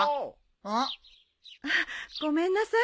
んっ？あっごめんなさい。